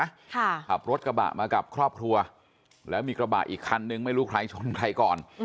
ขับรถกระบะมากับครอบครัวแล้วมีกระบะอีกคันนึงไม่รู้ใครชนใครก่อนอืม